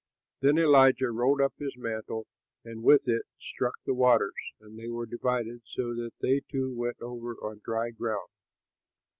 Then Elijah rolled up his mantle and with it struck the waters; and they were divided, so that they two went over on dry ground.